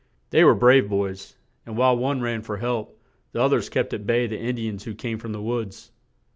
They were brave boys, and while one ran for help, the oth ers kept at bay the In di ans who came from the woods.